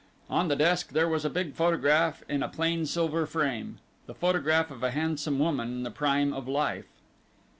On the desk there was a big photograph in a plain silver frame the photograph of a handsome woman in the prime of life.